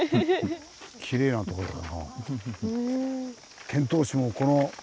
きれいなところだな。